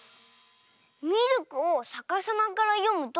ミルクをさかさまからよむとくるみ。